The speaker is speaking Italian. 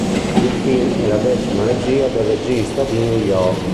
Il film è la decima regia del regista di New York.